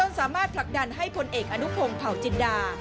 สามารถผลักดันให้พลเอกอนุพงศ์เผาจินดา